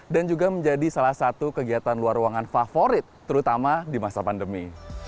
dan juga menjadi salah satu kegiatan luar ruangan favorit terutama di masa pandemi